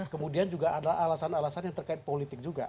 kemudian juga ada alasan alasan yang terkait politik juga